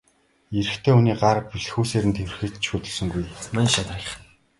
Эрэгтэй хүний гар бэлхүүсээр нь тэврэхэд ч хөдөлсөнгүй.